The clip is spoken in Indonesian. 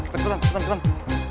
tentang tentang tentang